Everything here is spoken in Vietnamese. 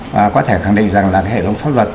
và có thể khẳng định rằng là cái hệ thống pháp luật